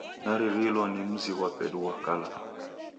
Naririlo ni mzi ghwa pedu ghwa kala.